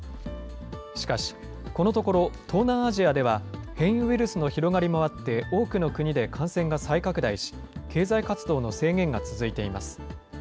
しかし、このところ、東南アジアでは変異ウイルスの広がりもあって、多くの国で感染が再拡大し、経済活動の制限が続いています。